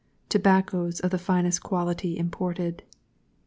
TOBACCOS, of the finest quality imported.